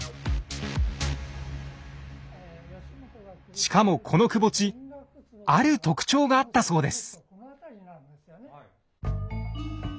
しかもこのくぼ地ある特徴があったそうです。